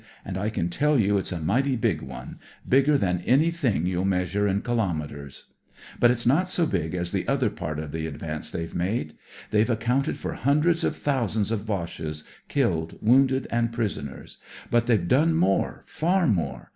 And I can tell you it's a mighty big one ; bigger than anything you'll measure in kilo metres. " But it's not so big as the other part of the advance they've made. They've accounted for hundreds of thousands of Boches, killed, wounded and prisoners. But they've done more, far more.